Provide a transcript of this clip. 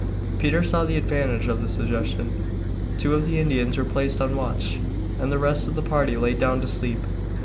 Peter saw the advantage of the suggestion. Two of the Indians were placed on watch, and the rest of the party lay down to sleep.